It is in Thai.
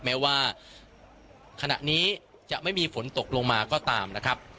แม้ว่าขณะนี้จะไม่มีฝนตกลงมาก็ตามนะครับ